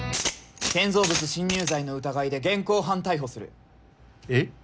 建造物侵入罪の疑いで現行犯逮捕するえっ？